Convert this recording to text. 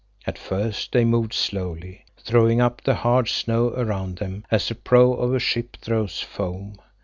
At first they moved slowly, throwing up the hard snow around them as the prow of a ship throws foam.